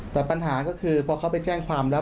แต่ปัญหาก็คือพอเขาไปแจ้งความแล้ว